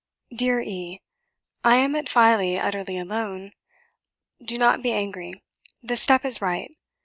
"Dear E , I am at Filey utterly alone. Do not be angry, the step is right.